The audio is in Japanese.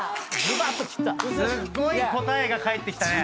すごい答えが返ってきた。